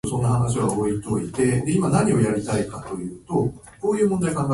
いい加減偽絵保マニ。